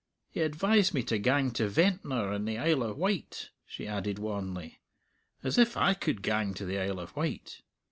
He advised me to gang to Ventnor in the Isle o' Wight," she added wanly; "as if I could gang to the Isle of Wight.